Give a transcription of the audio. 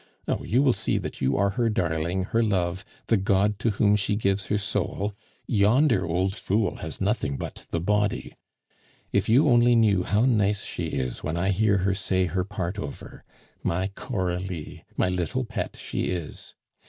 Oh! you will see that you are her darling, her love, the god to whom she gives her soul; yonder old fool has nothing but the body. If you only knew how nice she is when I hear her say her part over! My Coralie, my little pet, she is!